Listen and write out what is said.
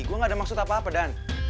gue gak ada maksud apa apa dan